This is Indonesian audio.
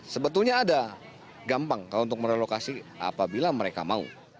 sebetulnya ada gampang kalau untuk merelokasi apabila mereka mau